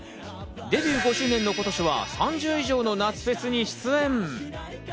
デビュー５周年の今年は３０以上の夏フェスに出演。